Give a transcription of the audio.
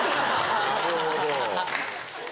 なるほど。